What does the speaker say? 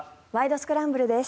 スクランブル」です。